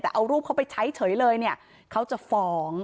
แต่เอารูปเขาไปใช้เฉยเลยเนี่ยเขาจะฟ้อง